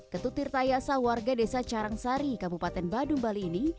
ketutir tayasa warga desa carangsari kabupaten badung bali ini